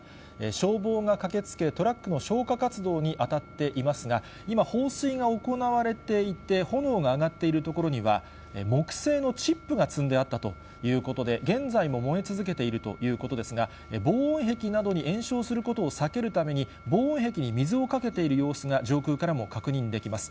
消防が駆けつけ、トラックの消火活動に当たっていますが、今、放水が行われていて、炎が上がっている所には、木製のチップが積んであったということで、現在も燃え続けているということですが、防護壁などに延焼することを避けるために、防音壁に水をかけている様子が上空からも確認できます。